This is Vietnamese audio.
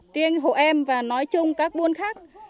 riêng hộ em và nói chung các buôn khác